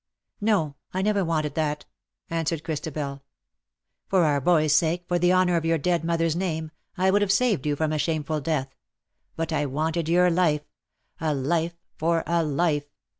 " No, I never wanted that," answered Christabel. ^' For our boy^s sake, for the honour of your dead mother's name, I would have saved you from a shameful death. But I wanted your life — a life for a life.